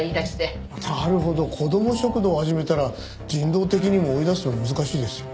なるほど子ども食堂を始めたら人道的にも追い出すのは難しいですよね。